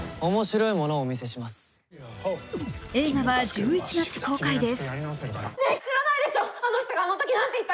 映画は１１月公開です。